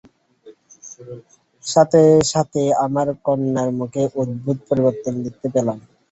সাথে সাথে আমার কন্যার মুখে অদ্ভুত পরিবর্তন দেখতে পেলাম।